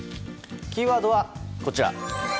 キーワードは、こちら。